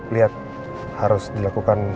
lihat harus dilakukan